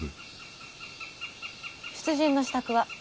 出陣の支度は？